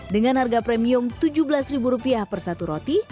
dengan harga premium tujuh belas rupiah per satu roti